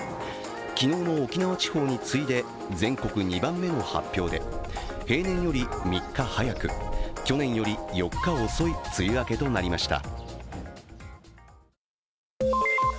昨日の沖縄地方に次いで全国２番目の発表で平年より３日早く、去年より４日遅い梅雨明けとなりました。